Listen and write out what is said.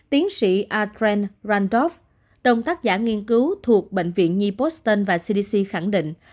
tiến sĩ adrian randolph đồng tác giả nghiên cứu thuộc bệnh viện nhi boston và cdc khẳng định